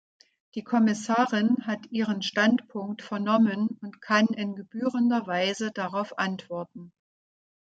Die Kommissarin hat Ihren Standpunkt vernommen und kann in gebührender Weise darauf antworten.